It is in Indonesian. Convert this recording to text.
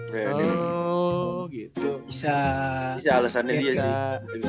bisa alesannya dia sih